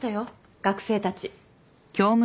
学生たち。